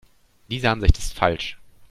Diese Ansicht ist falsch.